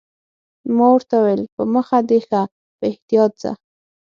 ما ورته وویل: په مخه دې ښه، په احتیاط ځه.